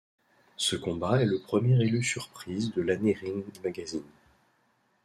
Ce combat est le premier élu Surprise de l'année Ring Magazine.